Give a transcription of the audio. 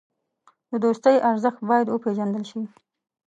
د دوستۍ ارزښت باید وپېژندل شي.